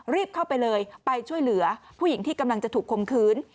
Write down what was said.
รีบเข้าไปเลยไปช่วยเหลือผู้หญิงที่กำลังจะถูกคมคืน